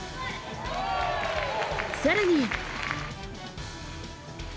更に。